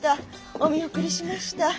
お見送りしました」。